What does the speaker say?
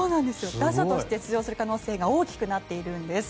打者として出場する可能性が大きくなっているんです。